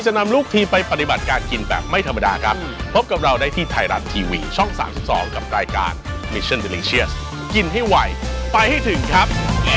นำลูกทีมไปปฏิบัติการกินแบบไม่ธรรมดาครับพบกับเราได้ที่ไทยรัฐทีวีช่อง๓๒กับรายการมิชชั่นเดลิงเชียสกินให้ไวไปให้ถึงครับ